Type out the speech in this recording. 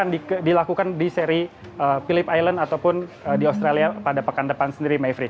yang dilakukan di seri philip island ataupun di australia pada pekan depan sendiri mayfrey